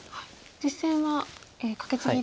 実戦はカケツギですね。